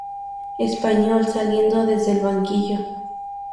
Espanyol saliendo desde el banquillo.